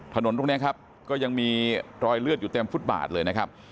ถนนตรงนี้ครับก็ยังมีรอยเลือดอยู่เต็มฟุตบาทเลยนะครับ